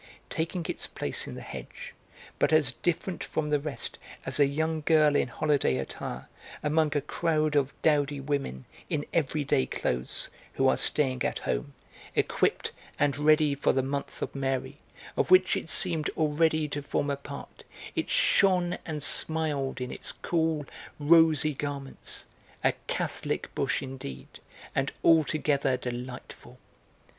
Taking its place in the hedge, but as different from the rest as a young girl in holiday attire among a crowd of dowdy women in everyday clothes, who are staying at home, equipped and ready for the 'Month of Mary,' of which it seemed already to form a part, it shone and smiled in its cool, rosy garments, a Catholic bush indeed, and altogether delightful.